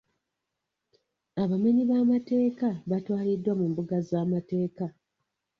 Abamenyi b'amateeka batwaliddwa mu mbuga z'amateeka